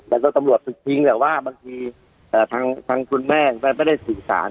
แล้วก็ตำรวจจริงจริงเนี้ยว่าบางทีอ่าทางทางคุณแม่มันไม่ได้สื่อสาร